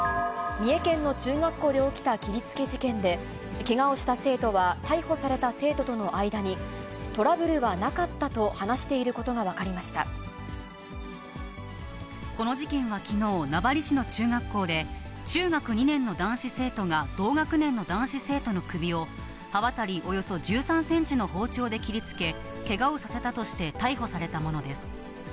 三重県の中学校で起きた切りつけ事件で、けがをした生徒は、逮捕された生徒との間に、トラブルはなかったと話していることがこの事件はきのう、名張市の中学校で、中学２年の男子生徒が同学年の男子生徒の首を、刃渡りおよそ１３センチの包丁で切りつけ、けがをさせたとして逮捕されたものです。